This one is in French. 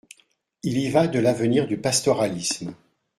Il y va de l’avenir du pastoralisme.